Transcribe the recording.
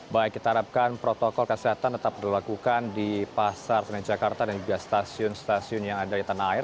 baik kita harapkan protokol kesehatan tetap dilakukan di pasar senen jakarta dan juga stasiun stasiun yang ada di tanah air